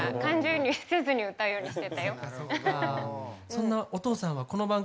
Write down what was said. そんなお父さんはこの番組でね